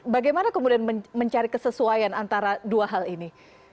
bagaimana kemudian mencari kesesuaian antara dua hal ini